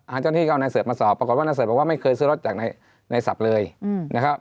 เจ้าหน้าที่ก็เอานายเสิร์ชมาสอบปรากฏว่านายเสิร์ตบอกว่าไม่เคยซื้อรถจากในศัพท์เลยนะครับ